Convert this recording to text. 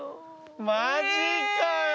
マジかよ！